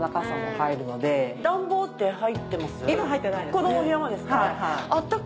このお部屋もですか？